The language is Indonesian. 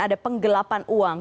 ada penggelapan uang